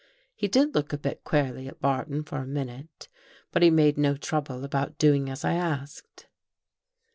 He did look a bit queerly at Barton for a minute but he made no trouble about doing as I asked.